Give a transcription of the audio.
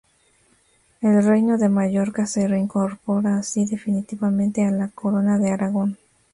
El reino de Mallorca se reincorpora así definitivamente a la Corona de Aragón.